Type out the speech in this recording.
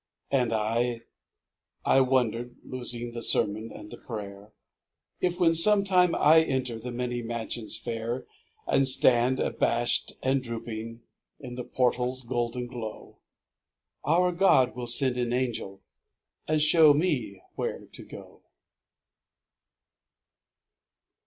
And I — I wondered (losing The sermon and the prayer) If when sometime I enter The '' many mansions " fair, And stand, abashed and drooping, In the portal's golden glow. Our God will send an angel To show me where to so